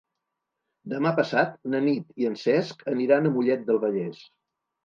Demà passat na Nit i en Cesc aniran a Mollet del Vallès.